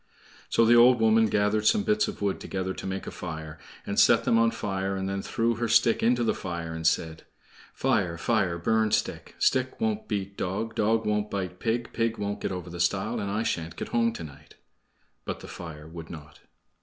So the old woman gathered some bits of wood together to make a fire, and set them on fire, and then threw her stick into the fire and said: "Fire, fire, burn stick; Stick won't beat dog; Dog won't bite pig; Pig won't get over the stile, And I sha'n't get home to night." But the fire would not.